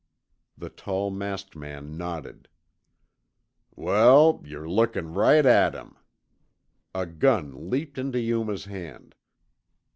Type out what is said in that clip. The tall masked man nodded. "Wal, yer lookin' right at him!" A gun leaped into Yuma's hand.